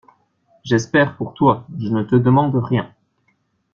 J'espère pour toi, je ne te demande rien.